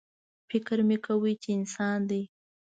_فکر مې وکړ چې انسان دی.